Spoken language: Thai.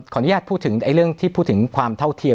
อนุญาตพูดถึงเรื่องที่พูดถึงความเท่าเทียม